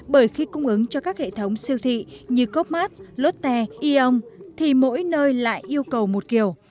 bởi khi cung ứng cho các hệ thống siêu thị như cofmart lotte e ong thì mỗi nơi lại yêu cầu một kiểu